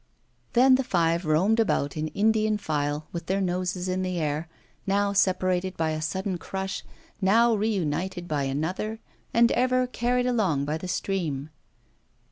Then the five roamed about in Indian file, with their noses in the air, now separated by a sudden crush, now reunited by another, and ever carried along by the stream.